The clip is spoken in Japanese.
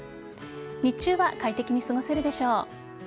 日中は快適に過ごせるでしょう。